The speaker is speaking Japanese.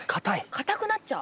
硬くなっちゃう。